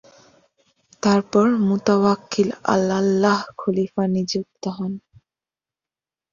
তারপর Mutawakkil Alallah খলীফা নিযুক্ত হন।